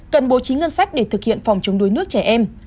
cần bố trí ngân sách để thực hiện phòng chống đuối nước trẻ em